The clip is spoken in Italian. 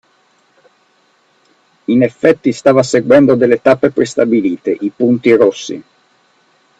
In effetti stava seguendo delle tappe prestabilite: i punti rossi.